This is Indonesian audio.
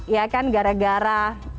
ya kan gara gara